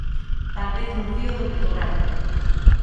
Talvez un fío do que turrar.